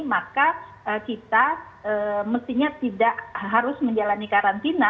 maka kita mestinya tidak harus menjalani karantina